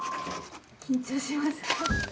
緊張します？